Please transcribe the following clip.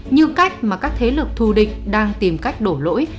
như cách mà các thế lực thù địch đang tìm cách đổ lỗi